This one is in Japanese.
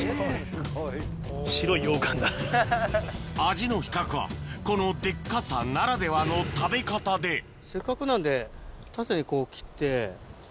味の比較はこのデッカさならではの食べ方でせっかくなんで。